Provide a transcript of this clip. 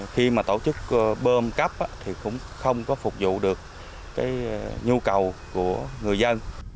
khi mà tổ chức bơm cắp thì cũng không có phục vụ được nhu cầu của người dân